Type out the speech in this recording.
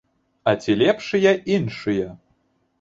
А ці лепшыя іншыя?